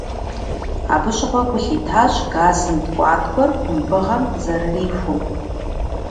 Абы щыгъуэ гу лъитащ газым ткIуаткIуэр кумбыгъэм къызэрырихум.